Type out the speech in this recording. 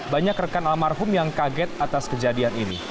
banyak rekan almarhum yang kaget atas kejadian ini